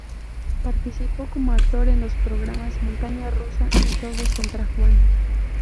Participó como actor en los programas "Montaña rusa" y "Todos contra Juan".